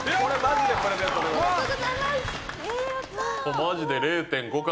マジで０．５巻。